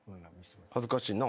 恥ずかしいな。